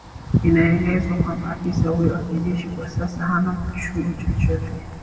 inaelezwa kwamba afisa huyo wa kijeshi kwa sasa hana chuo chochote